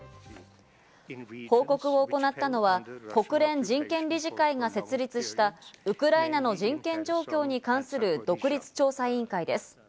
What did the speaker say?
報告を行ったのは国連人権理事会が設立したウクライナの人権状況に関する独立調査委員会です。